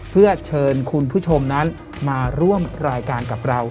เพื่อเชิญคุณผู้ชมนั้นมาร่วมรายการกับเรา